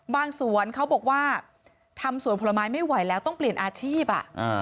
สวนเขาบอกว่าทำสวนผลไม้ไม่ไหวแล้วต้องเปลี่ยนอาชีพ